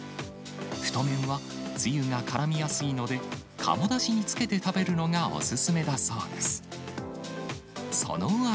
太麺はつゆがからみやすいので、カモだしにつけて食べるのがお勧めだそうです。